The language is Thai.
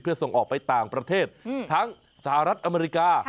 เพื่อส่งออกไปต่างประเทศทั้งสหรัฐอเมริกา